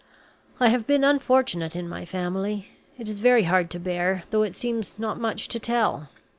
I have been unfortunate in my family. It is very hard to bear, though it seems not much to tell.